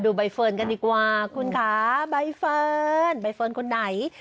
ใบเฟิร์นกันดีกว่าคุณคะใบเฟิร์นใบเฟิร์นคนไหน